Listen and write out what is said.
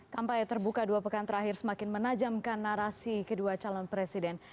kampanye terbuka dua pekan terakhir semakin menajamkan narasi kedua calon presiden